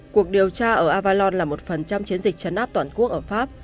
cuộc điều tra ở avalon là một trong chiến dịch chấn áp toàn quốc ở pháp